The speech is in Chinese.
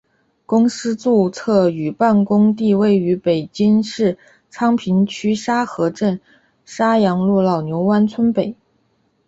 公司注册与办公地位于北京市昌平区沙河镇沙阳路老牛湾村北。